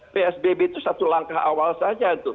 psbb itu satu langkah awal saja tuh